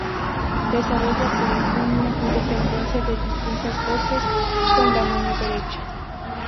Desarrolla polifonía, independencia de distintas voces, con la mano derecha.